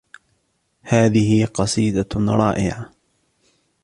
هذه قصيدة رائعة.